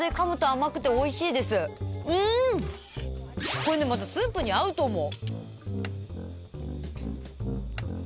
これねまたスープに合うと思う。